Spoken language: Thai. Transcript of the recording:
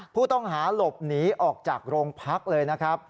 ผู้ต้องหาหลบหนีออกจากโรงพักเลยนะครับ